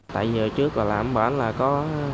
tại giờ trước là làm bản là có